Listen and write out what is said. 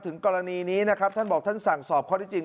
ถึงกรณีนี้นะครับท่านบอกท่านสั่งสอบข้อได้จริง